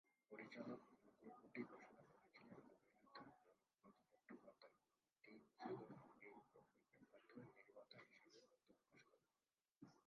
পরিচালক প্রকল্পটি ঘোষণা করেছিলেন অভিনেতা পরমব্রত চট্টোপাধ্যায়, যিনি এই প্রকল্পের মাধ্যমে নির্মাতা হিসাবেও আত্মপ্রকাশ করেন।